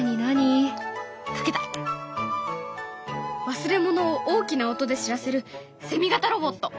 忘れ物を大きな音で知らせるセミ型ロボット。